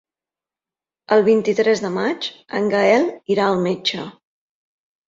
El vint-i-tres de maig en Gaël irà al metge.